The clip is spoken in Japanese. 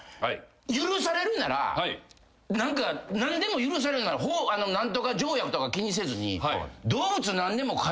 許されるなら何でも許されるなら何とか条約とか気にせずに。